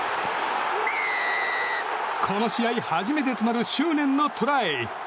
この試合初めてとなる執念のトライ！